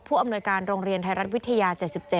อำนวยการโรงเรียนไทยรัฐวิทยา๗๗